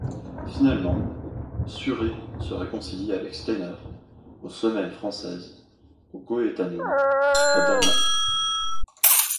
Finalement, Schuré se réconcilie avec Steiner aux Semaines françaises au Goetheanum à Dornach.